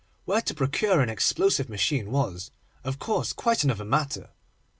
Where to procure an explosive machine was, of course, quite another matter.